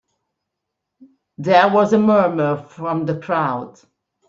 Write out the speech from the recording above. There was a murmur from the crowd.